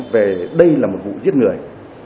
về đây là một vụ giết người